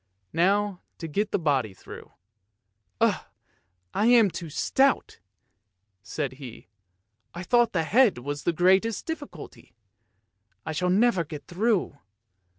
Now to get the body through. " Ugh! I am too stout," said he. " I thought the head was the greatest difficulty. I shall never get through."